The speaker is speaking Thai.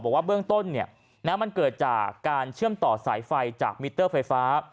บอกว่าเบื้องต้นมันเกิดจากการเชื่อมต่อสายไฟจากมิเตอร์ไฟฟ้า